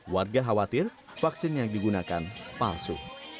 warga khawatir vaksin yang digunakan palsu